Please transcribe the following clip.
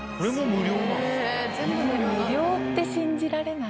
無料って信じられない。